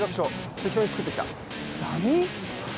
適当に作ってきたダミー？